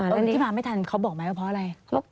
แล้วที่มาไม่ทันเขาบอกไหมว่าเพราะอะไร